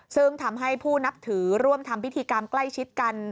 ซึ่งทำให้ผู้นับถือร่วมทำพิธีกรรมใกล้ชิดกัน